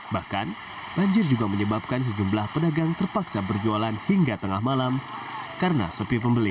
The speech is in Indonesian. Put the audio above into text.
bahkan banjir juga menyebabkan sejumlah pedagang terpaksa berjualan hingga tengah malam karena sepi pembeli